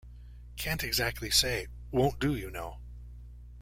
"Can't exactly say" won't do, you know.